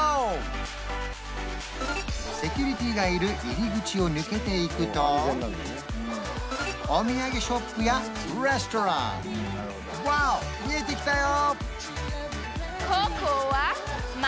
セキュリティーがいる入り口を抜けていくとお土産ショップやレストランワオ見えてきたよ！